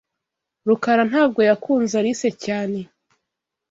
Rukara ntabwo yakunze Alice cyane.